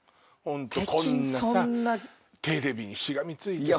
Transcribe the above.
こんなテレビにしがみついてさ。